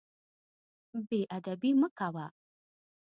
بې ادبي مه کوه.